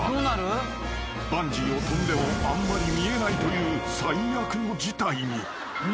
［バンジーをとんでもあんまり見えないという最悪の事態に］